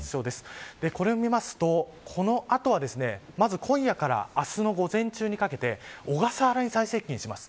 これを見ますと、この後はまず今夜から明日の午前中にかけて小笠原に最接近します。